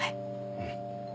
うん。